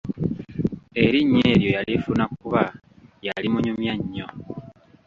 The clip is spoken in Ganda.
Erinnya eryo yalifuna kuba yali munyumya nnyo.